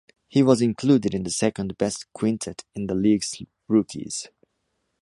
He was included in the second best quintet in the league’s rookies.